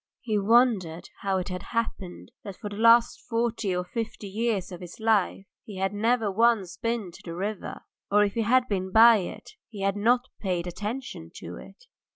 He wondered how it had happened that for the last forty or fifty years of his life he had never once been to the river, or if he had been by it he had not paid attention to it.